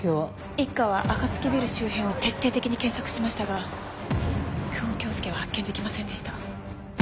一課はあかつきビル周辺を徹底的に検索しましたが久遠京介を発見できませんでした。